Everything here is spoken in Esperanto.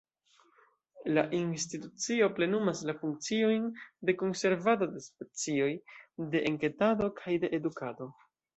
La institucio plenumas la funkciojn de konservado de specioj, de enketado kaj de edukado.